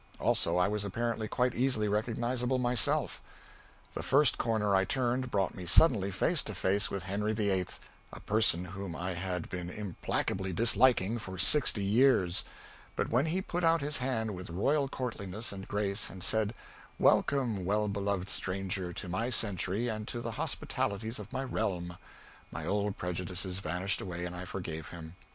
Also, I was apparently quite easily recognizable myself. The first corner I turned brought me suddenly face to face with Henry VIII, a person whom I had been implacably disliking for sixty years; but when he put out his hand with royal courtliness and grace and said, "Welcome, well beloved stranger, to my century and to the hospitalities of my realm," my old prejudices vanished away and I forgave him.